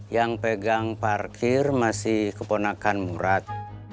yang pegang parkir masih keponakan murat